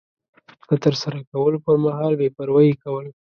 د ترسره کولو پر مهال بې پروایي کول